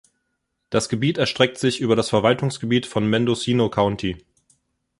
Das Gebiet erstreckt sich über das Verwaltungsgebiet von Mendocino County.